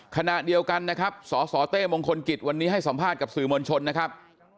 ขณะเดียวกันนะครับสสเต้มงคลกิจวันนี้ให้สัมภาษณ์กับสื่อมวลชนนะครับ